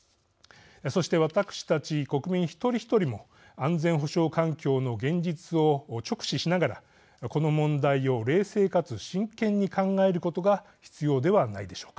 そして、私たち国民一人一人も安全保障環境の現実を直視しながらこの問題を冷静かつ真剣に考えることが必要ではないでしょうか。